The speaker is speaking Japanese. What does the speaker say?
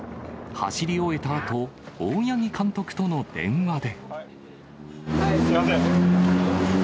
走り終えたあと、大八木監督との電話で。